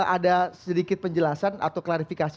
ada sedikit penjelasan atau klarifikasi